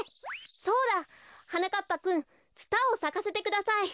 そうだ！はなかっぱくんツタをさかせてください。